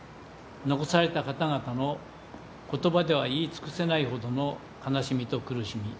残された方々の言葉では言い尽くせないほどの悲しみと苦しみ。